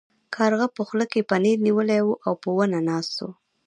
کارغه په خوله کې پنیر نیولی و او په ونه ناست و.